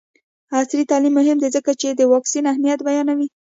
عصري تعلیم مهم دی ځکه چې د واکسین اهمیت بیانوي.